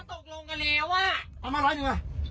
ถ้าตกลงกันแล้วเอามาร้อยหนึ่งมา